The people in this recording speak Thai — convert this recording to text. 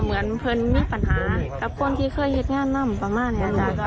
เหมือนเพลินมีปัญหากับคนที่เคยเห็นงานนำประมาณนี้จ้ะ